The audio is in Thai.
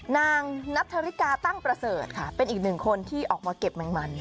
นางนัทธริกาตั้งประเสริฐค่ะเป็นอีกหนึ่งคนที่ออกมาเก็บแมงมัน